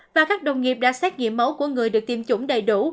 và các đồng nghiệp đã xét nghiệm máu của người được tiêm chủng đầy đủ